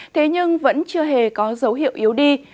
thế nhưng vẫn chưa hề có dấu hiệu yếu đi